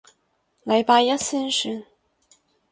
禮拜一先算